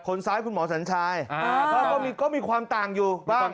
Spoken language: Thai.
ซ้ายคุณหมอสัญชายก็มีความต่างอยู่บ้าง